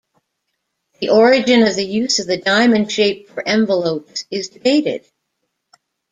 The origin of the use of the diamond shape for envelopes is debated.